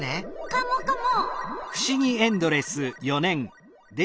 カモカモ。